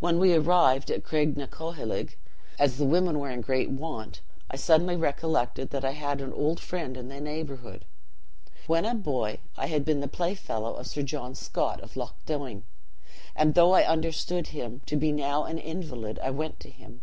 "When we arrived at Craignacoheilg, as the women were in great want, I suddenly recollected that I had an old friend in the neighborhood. When a boy, I had been the playfellow of Sir John Scott of Loch Doine; and though I understood him to be now an invalid, I went to him.